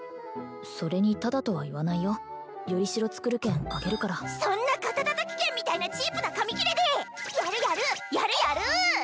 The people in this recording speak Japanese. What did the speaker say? それにタダとは言わないよよりしろつくる券あげるからそんな肩たたき券みたいなチープな紙きれでやるやるやるやる！